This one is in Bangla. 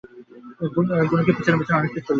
গুলকী পিছনে পিছনে অনেকদূর চলিল।